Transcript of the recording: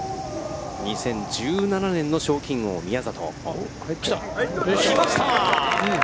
２０１７年の賞金王宮里。来ました！